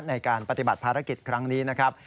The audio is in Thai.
ในการปฏิบัติภารกิจครั้งนี้นะครับ